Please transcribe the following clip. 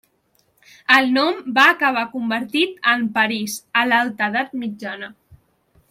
El nom va acabar convertit en París a l'alta edat mitjana.